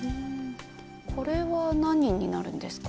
これは何になるんですか？